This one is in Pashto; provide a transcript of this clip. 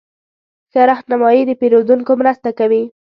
ښه رهنمایي د پیرودونکو مرسته کوي.